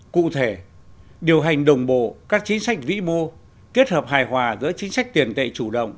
cụ thể điều hành đồng bộ các chính sách vĩ mô kết hợp hài hòa giữa chính sách tiền tệ chủ động